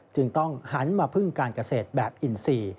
จึงต้องหันมาพึ่งการเกษตรแบบอินซี